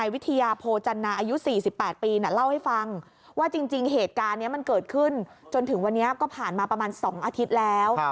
ว่าจริงเหตุการณ์นี้มันเกิดขึ้นจนถึงวันนี้ก็ผ่านมาประมาณ๒อาทิตย์แล้ว